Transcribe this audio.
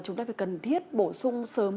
chúng ta phải cần thiết bổ sung sớm